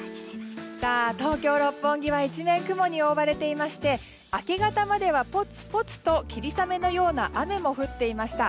東京・六本木は一面雲に覆われていまして明け方まではぽつぽつと霧雨のような雨も降っていました。